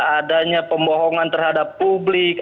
adanya pembohongan terhadap publik